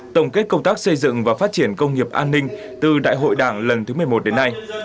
tổng kết công tác xây dựng và phát triển công nghiệp an ninh từ đại hội đảng lần thứ một mươi một đến nay